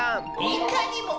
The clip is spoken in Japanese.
いかにも！